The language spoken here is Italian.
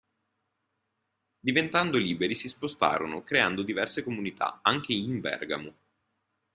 Diventando liberi si spostarono creando diverse comunità, anche in Bergamo.